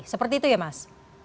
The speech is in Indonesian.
seperti itu ya mas